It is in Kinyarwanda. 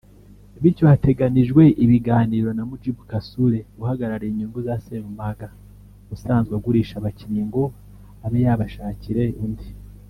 Bityo hateganijwe ibiganiro na Mujib Kaasure uhagarariye inyungu za Sserumaga usanzwe agurisha abakinnyi ngo abe yabashakire undi